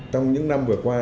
trong những năm vừa qua